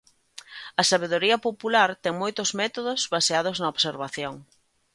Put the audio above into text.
A sabedoría popular ten moitos métodos baseados na observación.